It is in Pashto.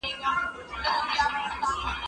زه به د کتابتوننۍ سره خبري کړي وي!!